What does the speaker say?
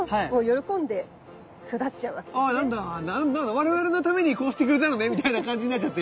我々のためにこうしてくれたのね」みたいな感じになっちゃって。